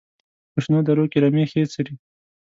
په شنو درو کې رمې ښې څري.